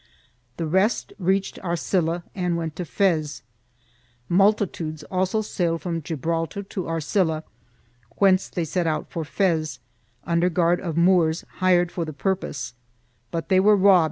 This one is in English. The rest reached Arcilla and went to Fez. Multitudes also sailed from Gibraltar to Arcilla, whence they set out for Fez, under guard of Moors hired for the purpose, but they were robbed on the 1 Graetz, VIII, 348.